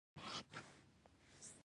بېل يې واخيست.